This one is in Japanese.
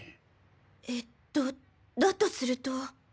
えっとだとすると。